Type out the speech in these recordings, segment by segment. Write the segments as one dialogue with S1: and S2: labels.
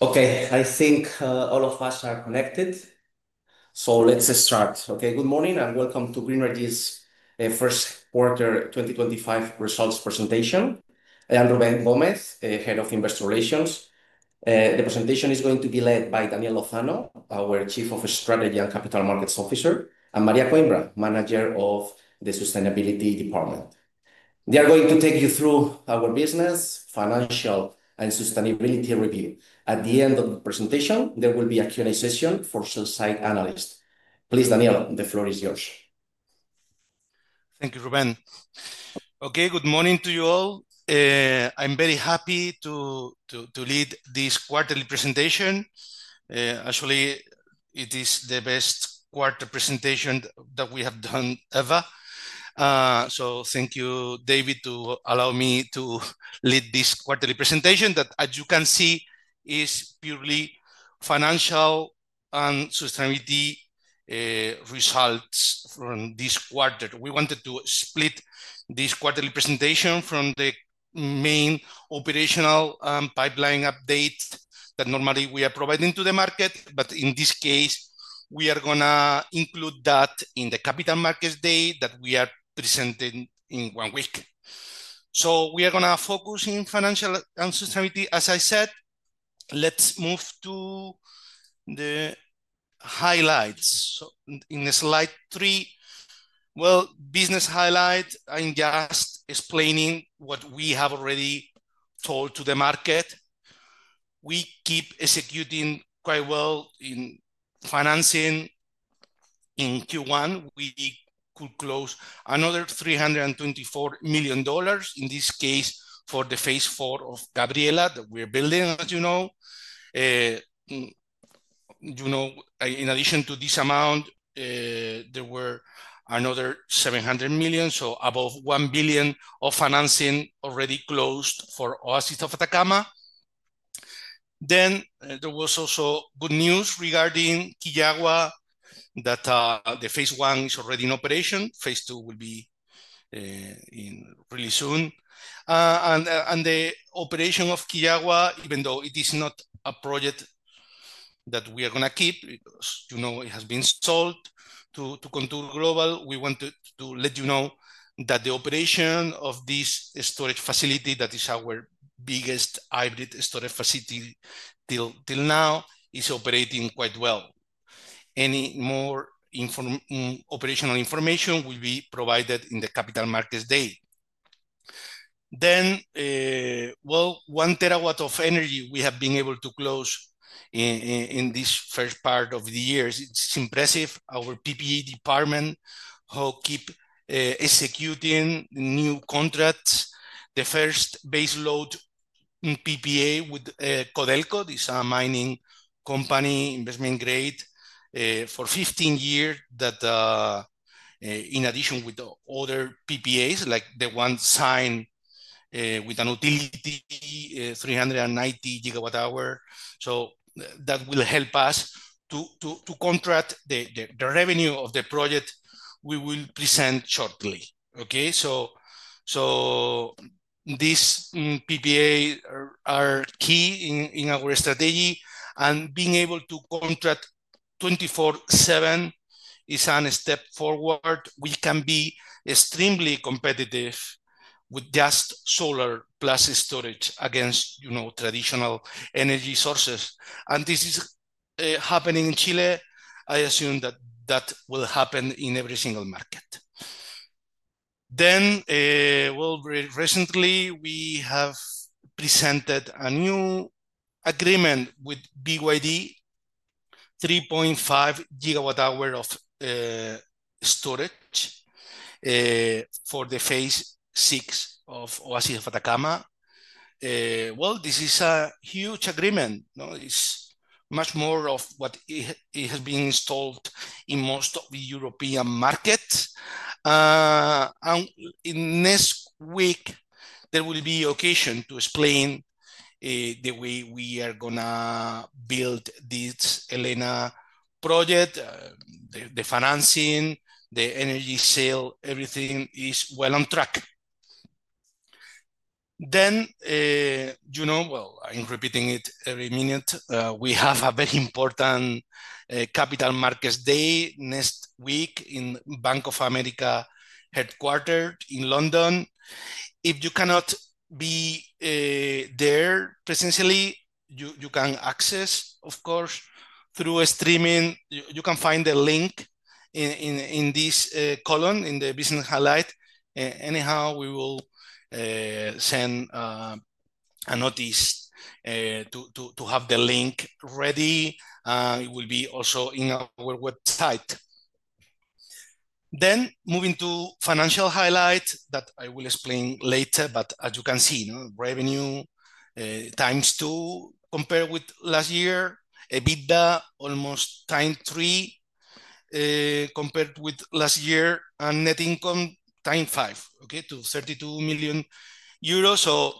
S1: Okay, I think all of us are connected, so let's start. Okay, good morning and welcome to Grenergy's First Quarter 2025 Results Presentation. I am Rubén Gómez, Head of Investor Relations. The presentation is going to be led by Daniel Lozano, our Chief of Strategy and Capital Markets Officer, and Maria Coimbra, Manager of the Sustainability Department. They are going to take you through our business, financial, and sustainability review. At the end of the presentation, there will be a Q&A session for sell-side analysts. Please, Daniel, the floor is yours.
S2: Thank you, Rubén. Okay, good morning to you all. I'm very happy to lead this quarterly presentation. Actually, it is the best quarter presentation that we have done ever. Thank you, David, for allowing me to lead this quarterly presentation that, as you can see, is purely financial and sustainability results from this quarter. We wanted to split this quarterly presentation from the main operational and pipeline updates that normally we are providing to the market. In this case, we are going to include that in the Capital Markets Day that we are presenting in one week. We are going to focus on financial and sustainability. As I said, let's move to the highlights. In slide three, business highlights, I'm just explaining what we have already told to the market. We keep executing quite well in financing. In Q1, we could close another $324 million, in this case for the phase IV of Gabriela that we are building, as you know. You know, in addition to this amount, there were another $700 million, so above $1 billion of financing already closed for Oasis of Atacama. There was also good news regarding KivuWatt, that the phase I is already in operation. Phase II will be in really soon. The operation of KivuWatt, even though it is not a project that we are going to keep, as you know, it has been sold to ContourGlobal, we want to let you know that the operation of this storage facility, that is our biggest hybrid storage facility till now, is operating quite well. Any more operational information will be provided in the Capital Markets Day. 1 TW of energy we have been able to close in this first part of the year. It is impressive. Our PPA department, who keep executing new contracts, the first baseload PPA with Codelco, this mining company, investment grade for 15 years, that in addition with other PPAs, like the one signed with a utility, 390 GWh. That will help us to contract the revenue of the project we will present shortly. These PPAs are key in our strategy. Being able to contract 24/7 is a step forward. We can be extremely competitive with just solar plus storage against traditional energy sources. This is happening in Chile. I assume that that will happen in every single market. Recently we have presented a new agreement with BYD, 3.5 GWh of storage for the phase VI of Oasis of Atacama. This is a huge agreement. It's much more of what has been installed in most of the European markets. Next week, there will be an occasion to explain the way we are going to build this ELENA project, the financing, the energy sale, everything is well on track. You know, I'm repeating it every minute. We have a very important Capital Markets Day next week in Bank of America headquartered in London. If you cannot be there presentially, you can access, of course, through streaming. You can find the link in this column in the business highlight. Anyhow, we will send a notice to have the link ready. It will be also on our website. Moving to financial highlights that I will explain later, as you can see, revenue times two compared with last year, EBITDA almost times three compared with last year, and net income times five to 32 million euros.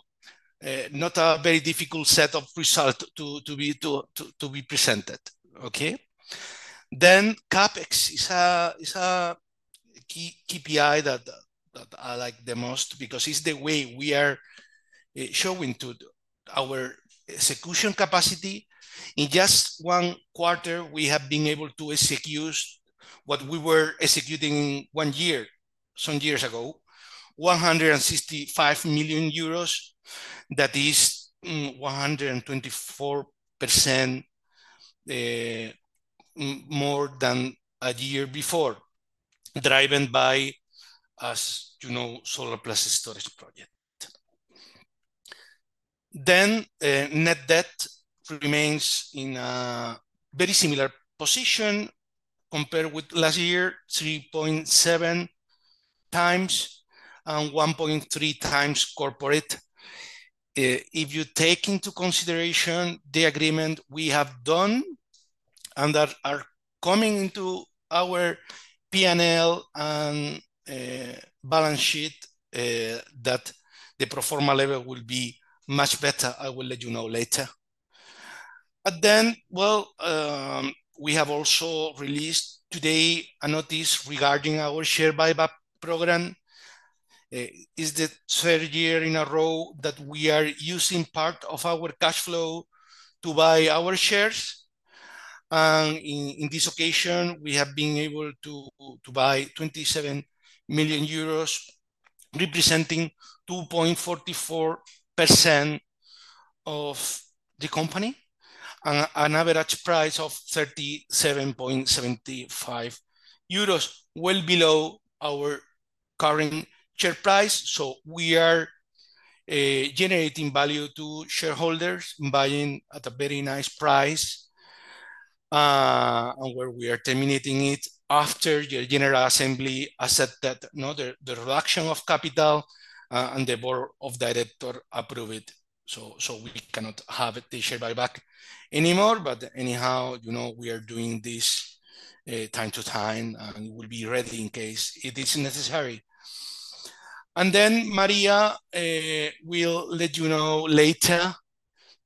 S2: Not a very difficult set of results to be presented. CapEx is a key KPI that I like the most because it is the way we are showing our execution capacity. In just one quarter, we have been able to execute what we were executing in one year some years ago, 165 million euros. That is 124% more than a year before, driven by, as you know, solar plus storage project. Net debt remains in a very similar position compared with last year, 3.7 times and 1.3 times corporate. If you take into consideration the agreement we have done and that are coming into our P&L and balance sheet, at the proforma level it will be much better. I will let you know later. We have also released today a notice regarding our share buyback program. It is the third year in a row that we are using part of our cash flow to buy our shares. In this occasion, we have been able to buy 27 million euros, representing 2.44% of the company at an average price of 37.75 euros, well below our current share price. We are generating value to shareholders and buying at a very nice price. We are terminating it after the general assembly accepted the reduction of capital and the board of directors approved it. We cannot have the share buyback anymore. Anyhow, we are doing this time to time and will be ready in case it is necessary. Maria will let you know later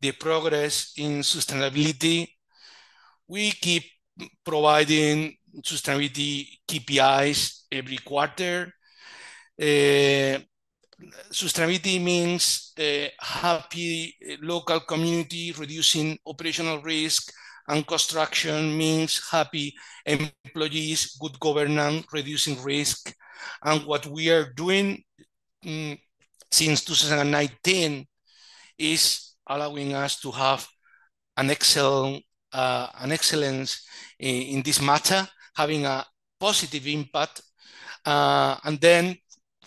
S2: the progress in sustainability. We keep providing sustainability KPIs every quarter. Sustainability means happy local community, reducing operational risk, and construction means happy employees, good governance, reducing risk. What we are doing since 2019 is allowing us to have an excellence in this matter, having a positive impact.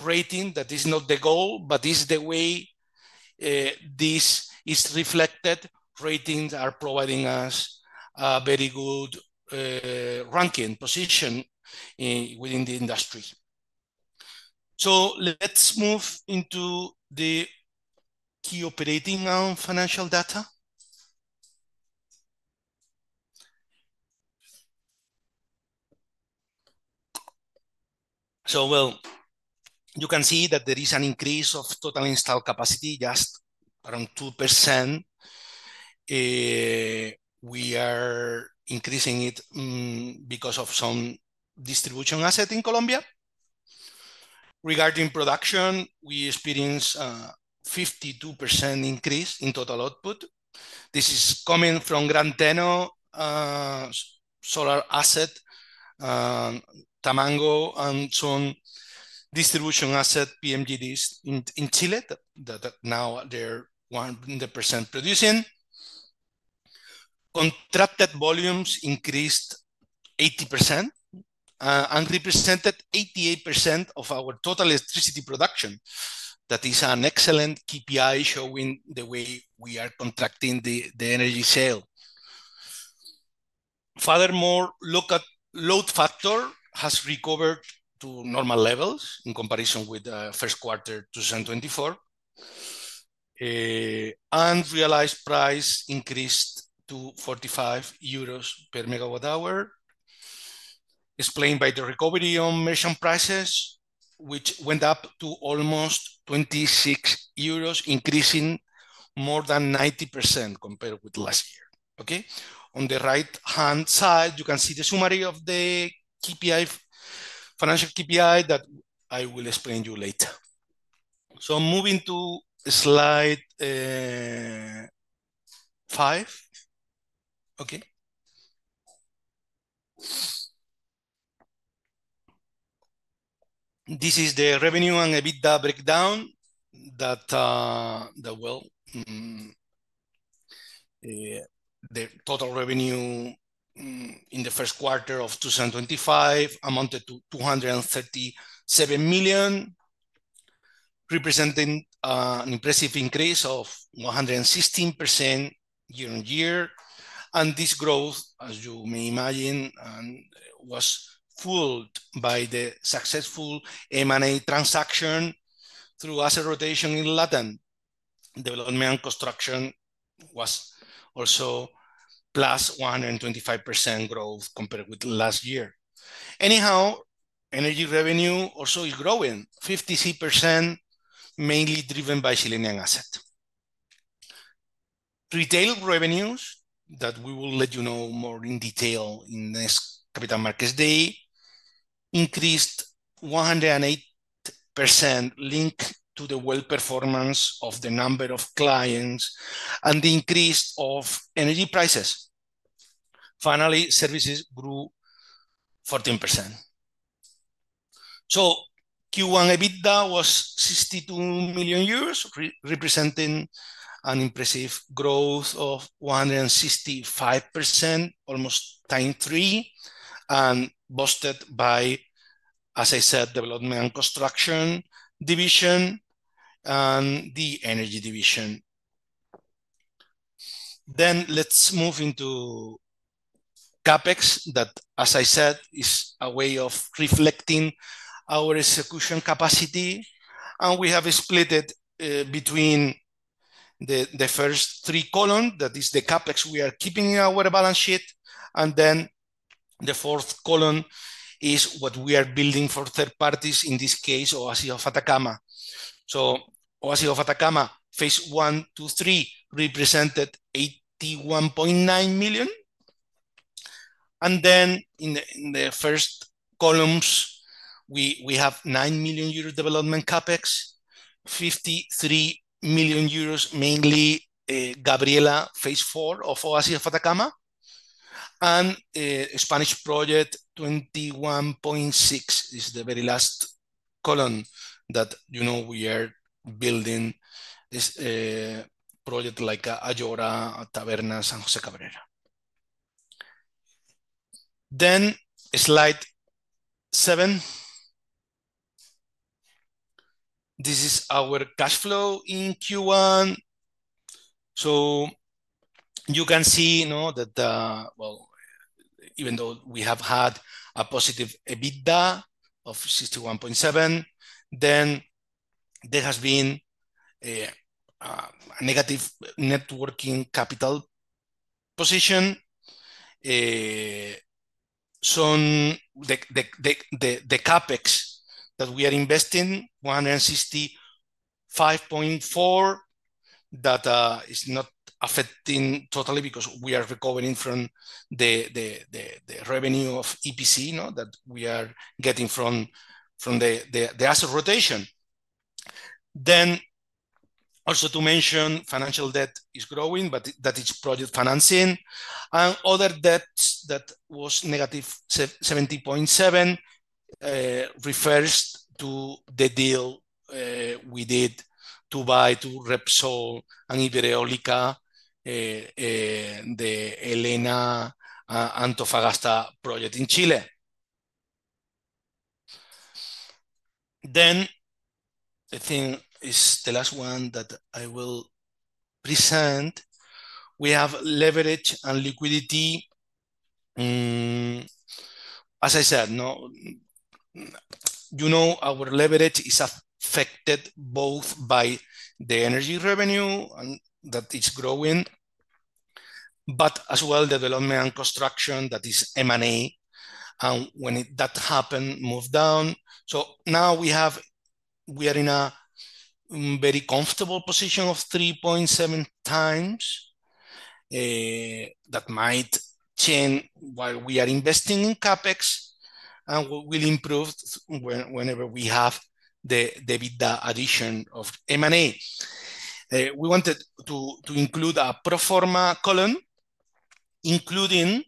S2: Rating is not the goal, but it is the way this is reflected. Ratings are providing us a very good ranking position within the industry. Let's move into the key operating and financial data. You can see that there is an increase of total installed capacity, just around 2%. We are increasing it because of some distribution asset in Colombia. Regarding production, we experience a 52% increase in total output. This is coming from Gran Teno, solar asset, Tamango, and some distribution asset, PMGDs in Chile that now they're 100% producing. Contracted volumes increased 80% and represented 88% of our total electricity production. That is an excellent KPI showing the way we are contracting the energy sale. Furthermore, look at load factor has recovered to normal levels in comparison with the first quarter 2024. Realized price increased to 45 euros per MWh, explained by the recovery on merchant prices, which went up to almost 26 euros, increasing more than 90% compared with last year. Okay. On the right-hand side, you can see the summary of the financial KPI that I will explain to you later. Moving to slide five. Okay. This is the revenue and EBITDA breakdown that, the total revenue in the first quarter of 2025 amounted to 237 million, representing an impressive increase of 116% year-on-year. This growth, as you may imagine, was fueled by the successful M&A transaction through asset rotation in LATAM. Development and construction was also plus 125% growth compared with last year. Anyhow, energy revenue also is growing, 53%, mainly driven by Chilean asset. Retail revenues that we will let you know more in detail in this Capital Markets Day increased 108% linked to the well-performance of the number of clients and the increase of energy prices. Finally, services grew 14%. Q1 EBITDA was 62 million euros, representing an impressive growth of 165%, almost times three, and boosted by, as I said, development and construction division and the energy division. Let's move into CapEx that, as I said, is a way of reflecting our execution capacity. We have split it between the first three columns, that is the CapEx we are keeping in our balance sheet, and then the fourth column is what we are building for third parties, in this case, Oasis of Atacama. Oasis of Atacama, phase I, II, III, represented 81.9 million. In the first columns, we have 9 million euro development CapEx, 53 million euros, mainly Gabriela, phase IV of Oasis of Atacama, and Spanish project 21.6 is the very last column that we are building, projects like Ayora, Taberna, San José Cabrera. Slide seven. This is our cash flow in Q1. You can see that, even though we have had a positive EBITDA of 61.7, there has been a negative networking capital position. The CapEx that we are investing, 165.4, that is not affecting totally because we are recovering from the revenue of EPC that we are getting from the asset rotation. Also to mention, financial debt is growing, but that is project financing. Other debts that was negative -70.7 refers to the deal we did to buy from Repsol and Ibereólica, the ELENA Antofagasta project in Chile. I think it's the last one that I will present. We have leverage and liquidity. As I said, you know our leverage is affected both by the energy revenue that is growing, but as well development and construction, that is M&A. When that happens, move down. Now we are in a very comfortable position of 3.7 times that might change while we are investing in CapEx and will improve whenever we have the EBITDA addition of M&A. We wanted to include a proforma column, including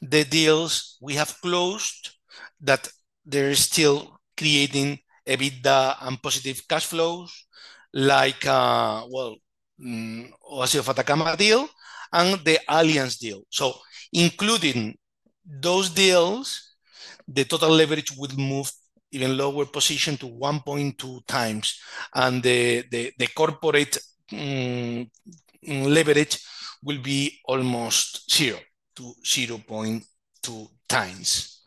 S2: the deals we have closed that they're still creating EBITDA and positive cash flows, like Oasis of Atacama deal and the Alliance deal. Including those deals, the total leverage would move in a lower position to 1.2 times, and the corporate leverage will be almost 0-0.2 times.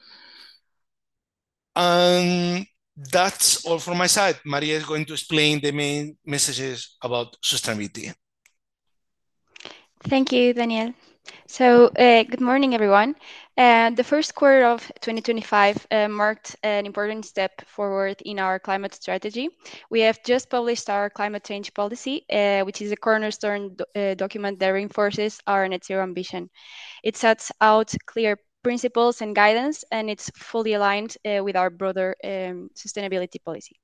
S2: That is all from my side. Maria is going to explain the main messages about sustainability.
S3: Thank you, Daniel. Good morning, everyone. The first quarter of 2025 marked an important step forward in our climate strategy. We have just published our climate change policy, which is a cornerstone document that reinforces our net-zero ambition. It sets out clear principles and guidance, and it is fully aligned with our broader sustainability policy.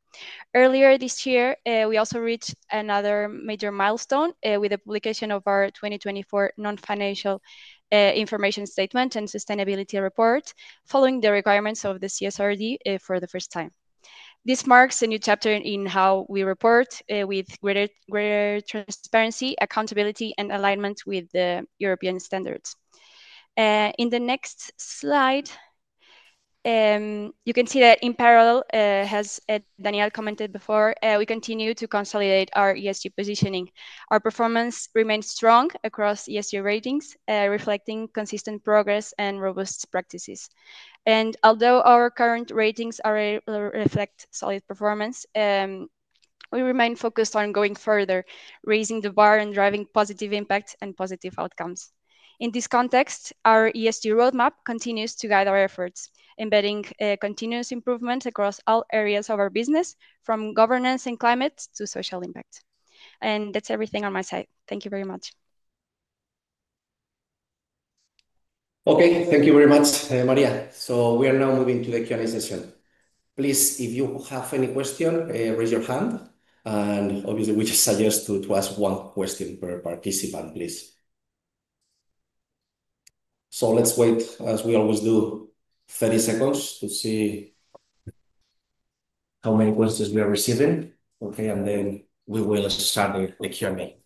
S3: Earlier this year, we also reached another major milestone with the publication of our 2024 non-financial information statement and sustainability report, following the requirements of the CSRD for the first time. This marks a new chapter in how we report with greater transparency, accountability, and alignment with the European standards. In the next slide, you can see that in parallel, as Daniel commented before, we continue to consolidate our ESG positioning. Our performance remains strong across ESG ratings, reflecting consistent progress and robust practices. Although our current ratings already reflect solid performance, we remain focused on going further, raising the bar and driving positive impact and positive outcomes. In this context, our ESG roadmap continues to guide our efforts, embedding continuous improvements across all areas of our business, from governance and climate to social impact. That is everything on my side. Thank you very much.
S2: Okay. Thank you very much, Maria. We are now moving to the Q&A session. Please, if you have any question, raise your hand. We just suggest to ask one question per participant, please. Let's wait, as we always do, 30 seconds to see how many questions we are receiving. Okay. Then we will start the Q&A.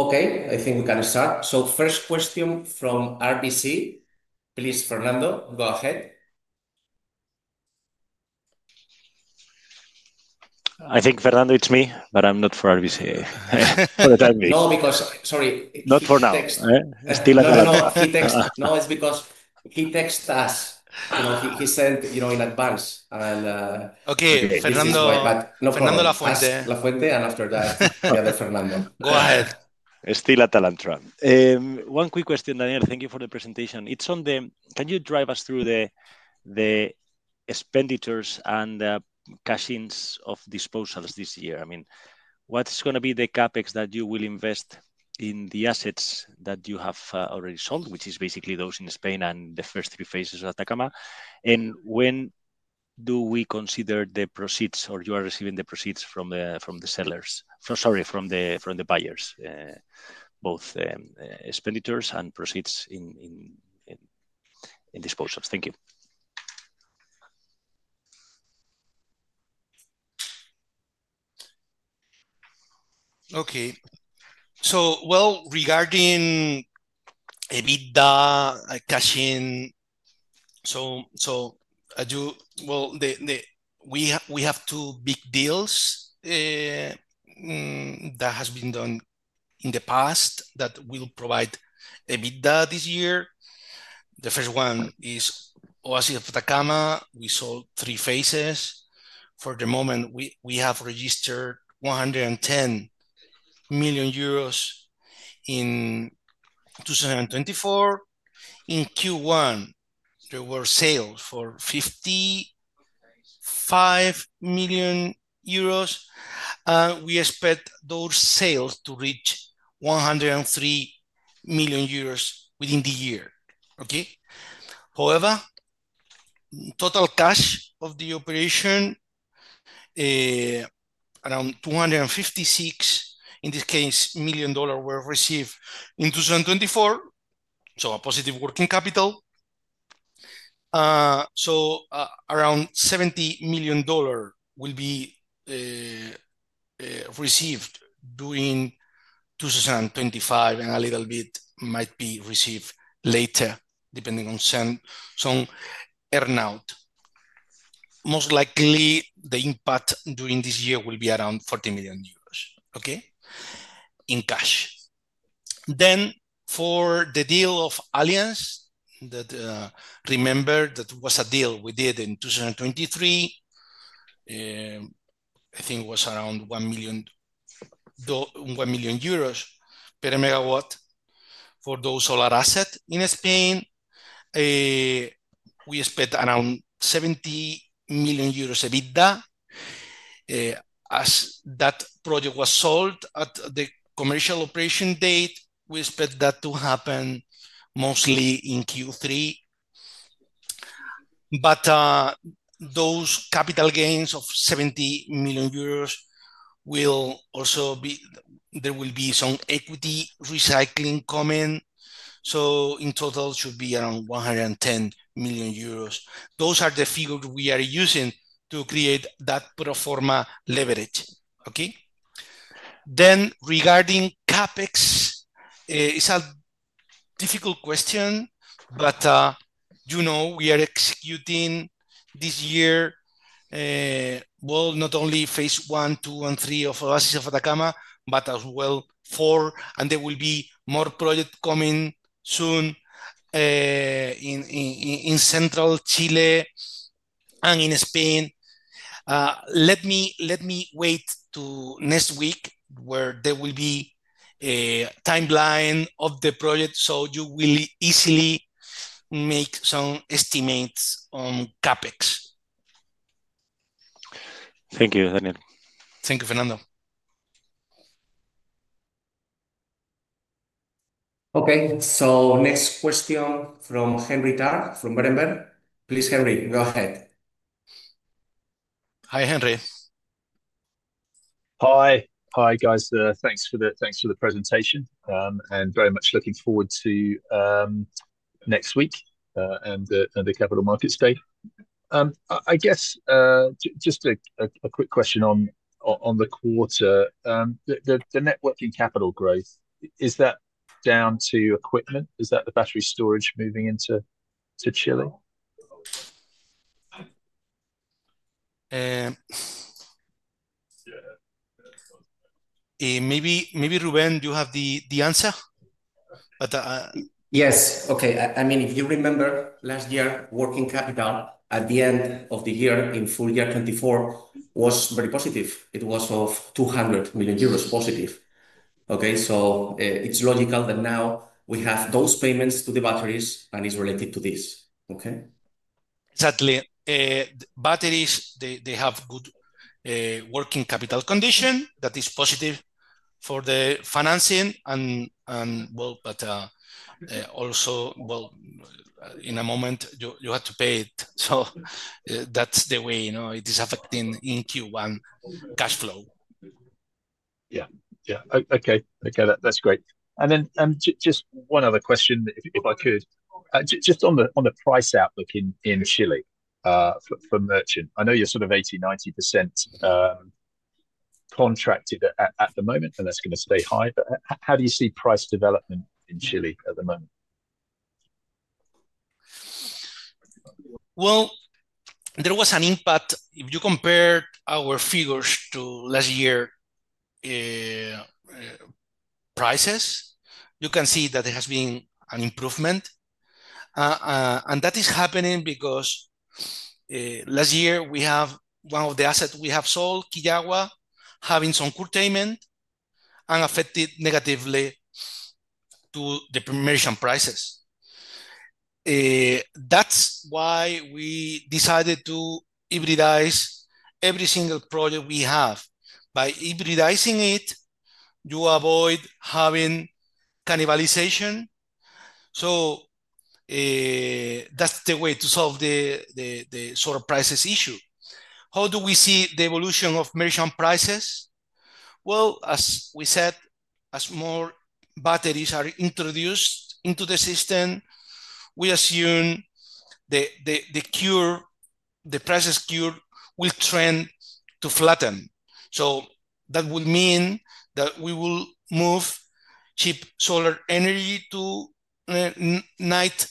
S1: Okay. I think we can start. First question from RBC. Please, Fernando, go ahead.
S4: I think, Fernando, it's me, but I'm not for RBC.
S1: No, sorry.
S4: Not for now. Still, I'm not.
S1: No, it's because he texted us.
S2: He sent in advance.
S1: Okay, Fernando. But no, Fernando La Fuente.
S2: La Fuente. After that, we have Fernando.
S1: Go ahead.
S4: Still, at Alantra. One quick question, Daniel. Thank you for the presentation. Can you drive us through the expenditures and cashings of disposals this year? I mean, what's going to be the CapEx that you will invest in the assets that you have already sold, which is basically those in Spain and the first three phases of Atacama? And when do we consider the proceeds or you are receiving the proceeds from the sellers? Sorry, from the buyers, both expenditures and proceeds in disposals. Thank you.
S2: Okay. So, regarding EBITDA, cashing, we have two big deals that have been done in the past that will provide EBITDA this year. The first one is Oasis of Atacama. We sold three phases. For the moment, we have registered 110 million euros in 2024. In Q1, there were sales for 55 million euros. We expect those sales to reach 103 million euros within the year. However, total cash of the operation, around $256 million, in this case, million dollars were received in 2024. So a positive working capital. Around $70 million will be received during 2025, and a little bit might be received later, depending on some earnout. Most likely, the impact during this year will be around 40 million euros in cash. For the deal of Alliance, remember that was a deal we did in 2023. I think it was around 1 million euros per MW for those solar assets in Spain. We spent around 70 million euros EBITDA as that project was sold at the commercial operation date. We expect that to happen mostly in Q3. Those capital gains of 70 million euros will also be there will be some equity recycling coming. In total, it should be around 110 million euros. Those are the figures we are using to create that proforma leverage. Regarding CapEx, it's a difficult question, but we are executing this year not only phase I, II, and III of Oasis of Atacama, but as well IV. There will be more projects coming soon in central Chile and in Spain. Let me wait to next week where there will be a timeline of the project so you will easily make some estimates on CapEx.
S4: Thank you, Daniel.
S2: Thank you, Fernando.
S1: Next question from Henry Carth from Berenberg. Please, Henry, go ahead.
S2: Hi, Henry.
S5: Hi. Hi, guys. Thanks for the presentation. Very much looking forward to next week and the Capital Markets Day. I guess just a quick question on the quarter. The networking capital growth, is that down to equipment? Is that the battery storage moving into Chile?
S2: Maybe Rubén, you have the answer.
S1: Yes. Okay. I mean, if you remember last year, working capital at the end of the year in full year 2024 was very positive. It was of 200 million euros positive. Okay. It is logical that now we have those payments to the batteries and it is related to this.
S5: Okay.
S1: Exactly. Batteries, they have good working capital condition that is positive for the financing. And, well, also, in a moment, you have to pay it. That is the way it is affecting in Q1 cash flow.
S5: Yeah. Yeah. Okay. Okay. That is great. And then just one other question, if I could. Just on the price outlook in Chile for merchant. I know you are sort of 80-90% contracted at the moment, and that is going to stay high. How do you see price development in Chile at the moment?
S1: There was an impact. If you compare our figures to last year's prices, you can see that there has been an improvement. That is happening because last year, one of the assets we have sold, KivuWatt, having some court payment and affected negatively to the permission prices. That is why we decided to hybridize every single project we have. By hybridizing it, you avoid having cannibalization. That is the way to solve the sort of prices issue. How do we see the evolution of merchant prices? As we said, as more batteries are introduced into the system, we assume the prices cure will trend to flatten. That will mean that we will move cheap solar energy to night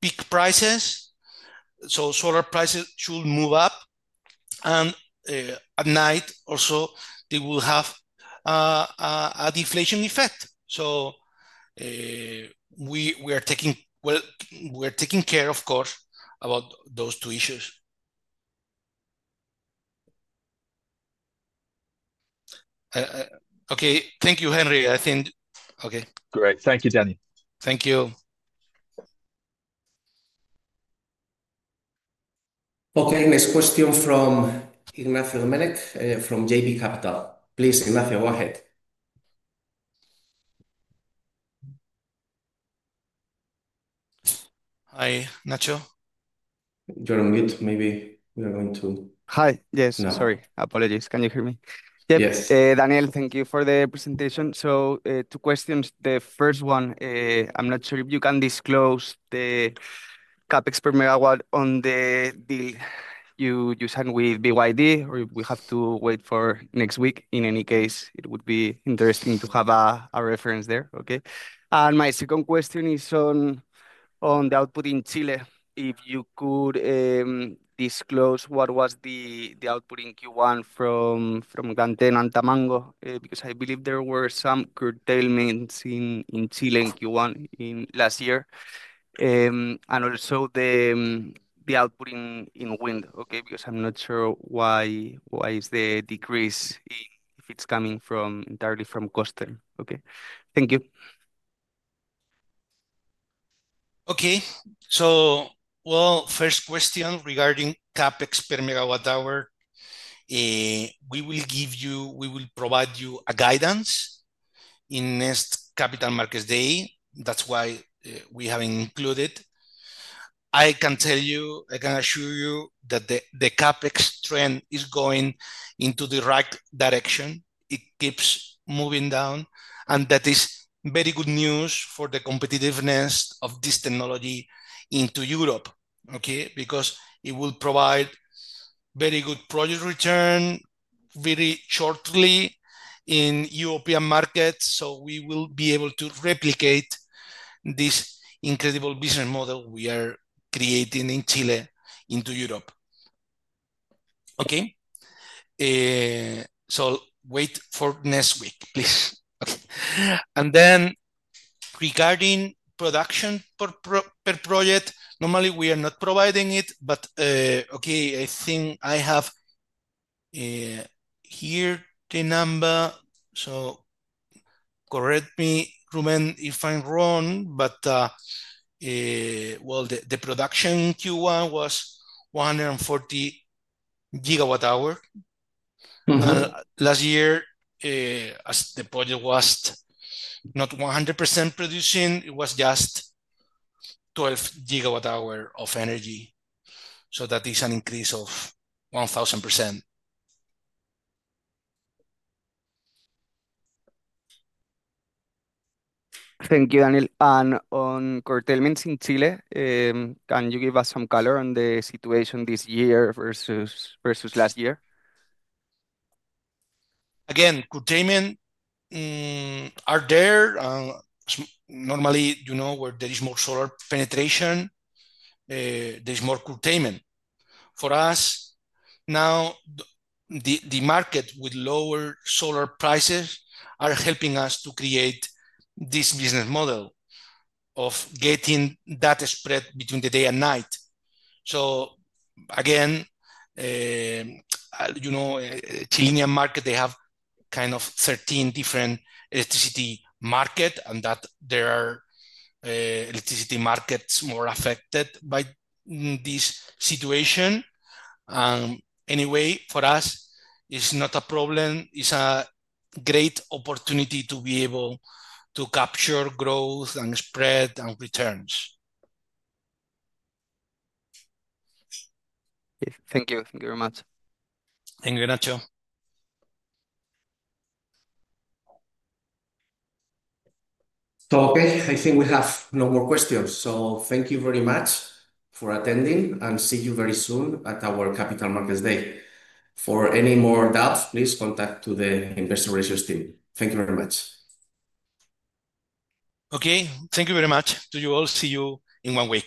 S1: peak prices. Solar prices should move up. At night, also, they will have a deflation effect. We are taking care, of course, about those two issues.
S2: Okay. Thank you, Henry. I think. Okay.
S5: Great. Thank you, Daniel.
S2: Thank you.
S1: Okay. Next question from Ignacio Domènech from JB Capital. Please, Ignacio, go ahead.
S2: Hi, Nacho. You're on mute, maybe. We are going to.
S6: Hi.
S2: Yes.
S6: Sorry. Apologies. Can you hear me?
S2: Yes.
S6: Daniel, thank you for the presentation. Two questions. The first one, I'm not sure if you can disclose the CapEx per MW on the deal you signed with BYD, or we have to wait for next week. In any case, it would be interesting to have a reference there. Okay. My second question is on the output in Chile. If you could disclose what was the output in Q1 from Gran Teno and Tamango, because I believe there were some curtailments in Chile in Q1 last year. Also the output in wind, okay, because I'm not sure why is the decrease if it's coming entirely from coastal. Okay. Thank you.
S2: Okay. First question regarding CapEx per MWh. We will give you, we will provide you a guidance in next Capital Markets Day. That is why we have included. I can tell you, I can assure you that the CapEx trend is going into the right direction. It keeps moving down. That is very good news for the competitiveness of this technology into Europe, okay, because it will provide very good project return very shortly in European markets. We will be able to replicate this incredible business model we are creating in Chile into Europe. Okay. Wait for next week, please. Okay. Then regarding production per project, normally we are not providing it, but okay, I think I have here the number. Correct me, Rubén, if I am wrong, but the production in Q1 was 140 GWh. Last year, as the project was not 100% producing, it was just 12 GWh of energy. That is an increase of 1,000%.
S6: Thank you, Daniel. On curtailments in Chile, can you give us some color on the situation this year versus last year?
S2: Curtailments are there. Normally, where there is more solar penetration, there is more curtailment. For us, now the market with lower solar prices is helping us to create this business model of getting that spread between the day and night. The Chilean market has kind of 13 different electricity markets, and there are electricity markets more affected by this situation. Anyway, for us, it is not a problem. It is a great opportunity to be able to capture growth and spread and returns.
S6: Thank you. Thank you very much.
S2: Thank you, Nacho.
S1: I think we have no more questions. Thank you very much for attending, and see you very soon at our Capital Markets Day. For any more doubts, please contact the investor research team. Thank you very much.
S2: Okay. Thank you very much to you all. See you in one week.